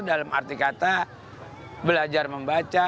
dalam arti kata belajar membaca